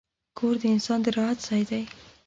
کور د انسان د راحت ځای دی.